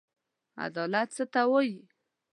عدالت څه ته وايي؟